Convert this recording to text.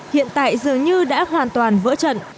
hiện tại dường như đã hoàn toàn vỡ trận